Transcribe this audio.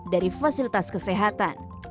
dari fasilitas kesehatan